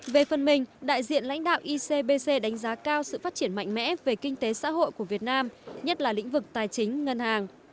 về phần mình đại diện lãnh đạo icbc đánh giá cao sự phát triển mạnh mẽ về kinh tế xã hội của việt nam nhất là lĩnh vực tài chính ngân hàng